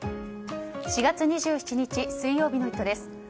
４月２７日、水曜日の「イット！」です。